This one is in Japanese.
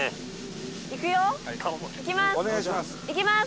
いきます！